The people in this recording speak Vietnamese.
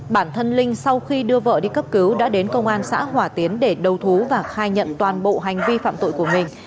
bản thân linh sau khi đưa vợ đi cấp cứu đã đến công an xã hòa tiến để đầu thú và khai nhận toàn bộ hành vi phạm tội của mình